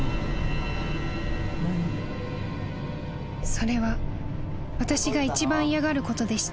［それは私が一番嫌がることでした］